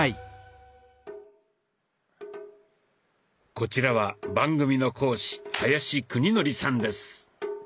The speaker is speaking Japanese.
こちらは番組の講師林久仁則さんです。